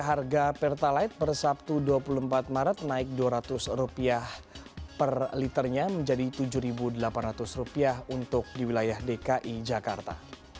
harga pertalite per sabtu dua puluh empat maret naik rp dua ratus per liternya menjadi rp tujuh delapan ratus untuk di wilayah dki jakarta